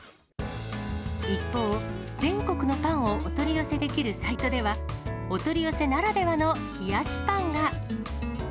一方、全国のパンをお取り寄せできるサイトでは、お取り寄せならではの冷やしパンが。